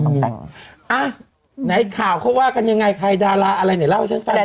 อ่ะไหนข่าวเขาก็ว่าไซ่เตียงดาราเหล้าแเรียงกันเนี่ย